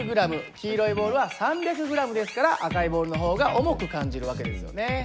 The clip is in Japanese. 黄色いボールは３００ｇですから赤いボールの方が重く感じる訳ですよね。